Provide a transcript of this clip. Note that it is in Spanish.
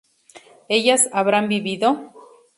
¿ellas habrán vivido?